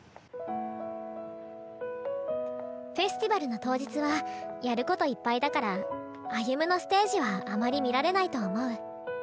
フェスティバルの当日はやることいっぱいだから歩夢のステージはあまり見られないと思う。